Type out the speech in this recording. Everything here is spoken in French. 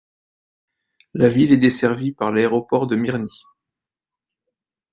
La ville est desservie par l'aéroport de Mirny.